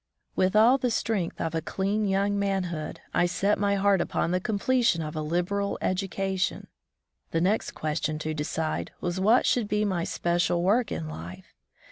With all the strength of a dean young manhood, I set my heart upon the completion of a liberal education. The next question to dedde was what should be my special work in life.